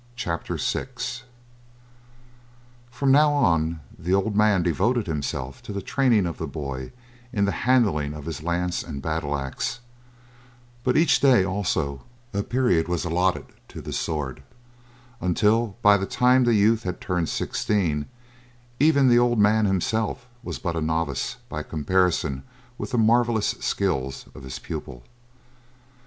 CHAPTER VI From now on, the old man devoted himself to the training of the boy in the handling of his lance and battle axe, but each day also, a period was allotted to the sword, until, by the time the youth had turned sixteen, even the old man himself was as but a novice by comparison with the marvelous skill of his pupil.